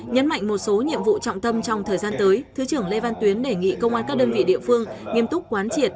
nhấn mạnh một số nhiệm vụ trọng tâm trong thời gian tới thứ trưởng lê văn tuyến đề nghị công an các đơn vị địa phương nghiêm túc quán triệt